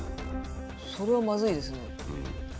それはまずいですね。